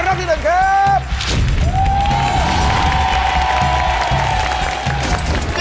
เริ่มต้นการแข่งในรอบที่๑ครับ